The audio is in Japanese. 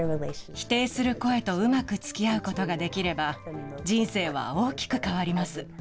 否定する声とうまくつきあうことができれば、人生は大きく変わります。